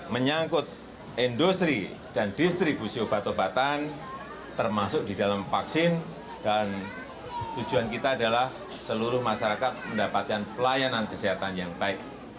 menyangkut industri dan distribusi obat obatan termasuk di dalam vaksin dan tujuan kita adalah seluruh masyarakat mendapatkan pelayanan kesehatan yang baik